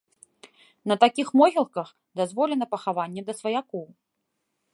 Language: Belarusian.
На такіх могілках дазволена пахаванне да сваякоў.